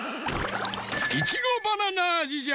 いちごバナナあじじゃ！